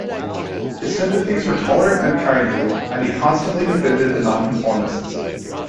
His sympathies were tolerant and kindly, and he constantly defended the Nonconformists.